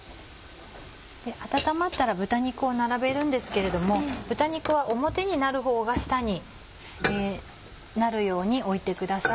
温まったら豚肉を並べるんですけれども豚肉は表になるほうが下になるように置いてください。